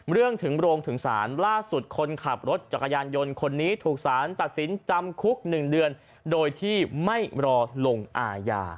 เรื่องถึงโรงถึงศาลล่าสุดคนขับรถจักรยานยนต์คนนี้ถูกสารตัดสินจำคุก๑เดือนโดยที่ไม่รอลงอาญา